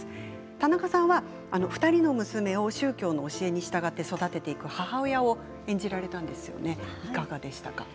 田中さんは２人の娘を宗教の教えに従って育てていく母親を演じられたんですよね。